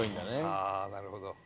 ああなるほど。